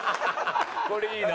これいいな。